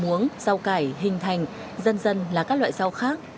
muống rau cải hình thành dân dân là các loại rau khác